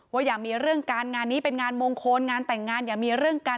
อย่ามีเรื่องการงานนี้เป็นงานมงคลงานแต่งงานอย่ามีเรื่องกัน